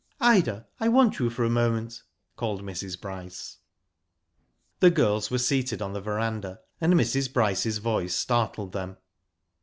" Ida, I want you for a moment," called Mrs. Bryce. The girls were seated on the verandah, and Mrs. Bryce's voice startled them.